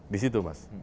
di situ mas